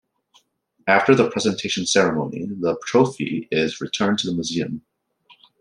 After the presentation ceremony, the trophy is returned to the museum.